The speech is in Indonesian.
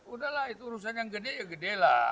udahlah itu urusan yang gede ya gede lah